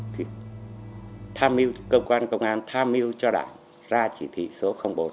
thì tham mưu cơ quan công an tham mưu cho đảng ra chỉ thị số bốn